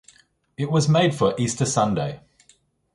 It was made for Easter Sunday.